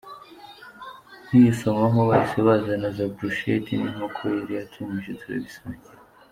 Nkiyisomaho, bahise bazana za brochettse n’inkoko yari yatumije turabisangira.